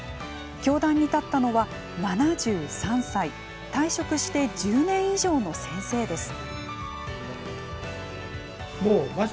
教壇に立ったのは、７３歳退職して１０年以上の先生です。